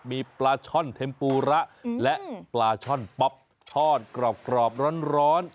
มีปลาช่อนเทมปูระและปลาช่อนป๊อปช่อนกรอบร้อน